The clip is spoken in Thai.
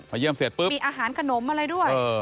มีอาหารขนมอะไรด้วย